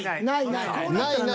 ないない。